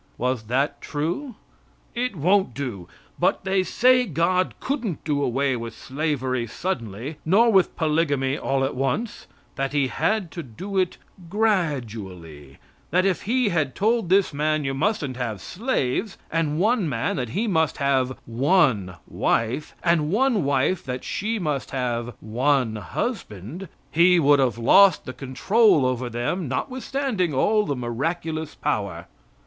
Was that true? It won't do. But they say God couldn't do away with slavery suddenly, nor with polygamy all at once that He had to do it gradually that if He had told this man you mustn't have slaves, and one man that he must have one wife, and one wife that she must have one husband, He would have lost the control over them notwithstanding all the miraculous power.